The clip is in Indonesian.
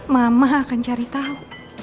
mama akan cari tau